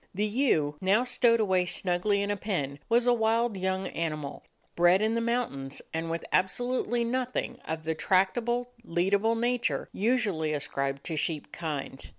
The ewe, now stowed away snugly in a pen, was a wild young animal, bred in the mountains, and with absolutely nothing of the tractable, lead able nature usually ascribed to sheep kind.